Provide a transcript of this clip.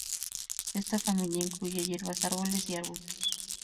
Esta familia incluye hierbas, árboles y arbustos.